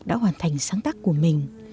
đã hoàn thành sáng tác của mình